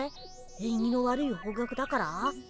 えんぎの悪い方角だから？